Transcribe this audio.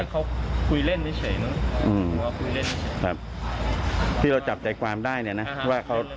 ลูกเขยก็เลยไม่ยอดก็อาจจะพบฤทธิ์กันกว่าพอด้วยนะครับ